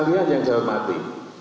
jadi ini sekalian yang saya hormati